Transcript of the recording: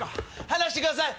離してください！